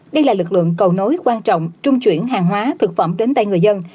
đây là lực lượng cầu nối quan trọng trung chuyển hàng hóa thực phẩm đến tay người dân